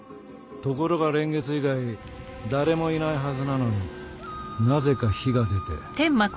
ところが蓮月以外誰もいないはずなのになぜか火が出て。